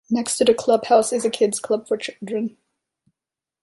Next to the Club House is a "Kid's Club" for children.